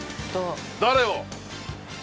誰を？